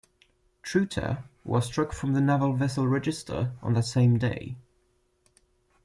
"Trutta" was struck from the Naval Vessel Register on that same day.